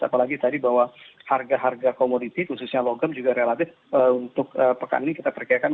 apalagi tadi bahwa harga harga komoditi khususnya logam juga relatif untuk pekan ini kita perkirakan